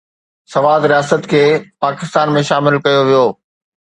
سوات رياست کي پاڪستان ۾ شامل ڪيو ويو.